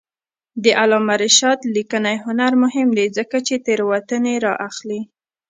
د علامه رشاد لیکنی هنر مهم دی ځکه چې تېروتنې رااخلي.